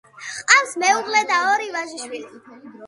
ჰყავს მეუღლე და ორი ვაჟიშვილი.